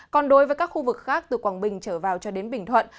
còn đối với các khu vực khác từ quảng bình trở vào cho đến bình thuận